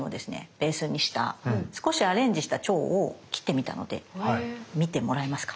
ベースにした少しアレンジした蝶を切ってみたので見てもらえますか？